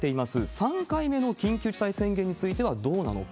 ３回目の緊急事態宣言についてはどうなのか。